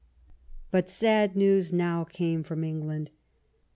But sad news now came from England.